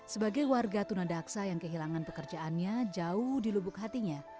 sebagai warga tunadaksa yang kehilangan pekerjaannya jauh dilubuk hatinya